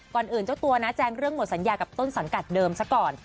อื่นเจ้าตัวนะแจ้งเรื่องหมดสัญญากับต้นสังกัดเดิมซะก่อน